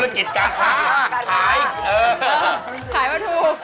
ขายประทู